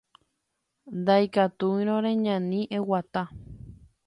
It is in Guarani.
Ndaikatúirõ reñani, eguata